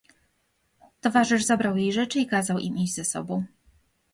"Towarzysz zabrał jej rzeczy i kazał im iść ze sobą."